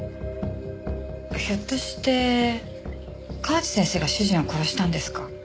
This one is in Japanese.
ひょっとして河内先生が主人を殺したんですか？